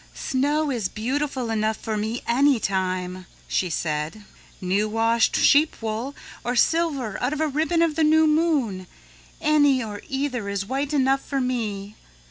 "Snow is beautiful enough for me any time," she said, "new washed sheep wool, or silver out of a ribbon of the new moon, any or either is white enough for me.